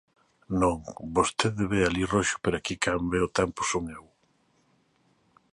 Non, vostede ve alí roxo pero aquí quen ve o tempo son eu.